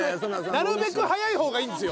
なるべく早い方がいいんですよ。